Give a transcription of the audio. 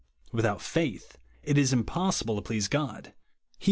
" Without faith it is impos sible to please God," (Heb.